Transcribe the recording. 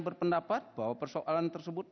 berpendapat bahwa persoalan tersebut